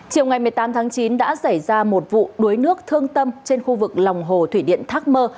chiều ngày một mươi tám tháng chín đã xảy ra một vụ đuối nước thương tâm trên khu vực lòng hồ thủy điện thác mơ